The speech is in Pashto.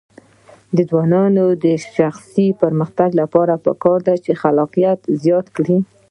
د ځوانانو د شخصي پرمختګ لپاره پکار ده چې خلاقیت زیات کړي.